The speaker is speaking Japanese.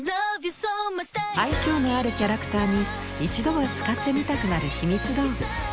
愛嬌のあるキャラクターに一度は使ってみたくなるひみつ道具。